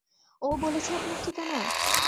ও বলেছে আপনার ঠিকানা!